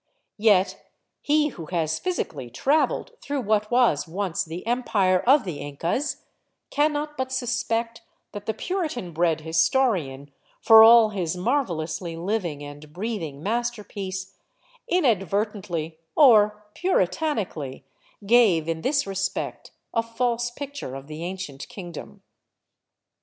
Yet he who has physically traveled through what was once the Em pire of the Incas cannot but suspect that the Puritan bred historian, for all his marvelously living and breathing masterpiece, inadvertently — or puritanically — gave in this respect a false picture of the ancient kingdom.